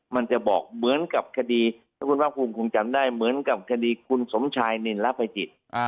มันจะบอกเหมือนกับคดีถ้าคุณภาคภูมิคงจำได้เหมือนกับคดีคุณสมชายนินลภัยจิต